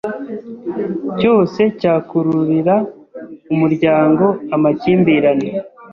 cyose cyakururira umuryango amakimbirane